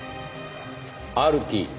「ＲＴ」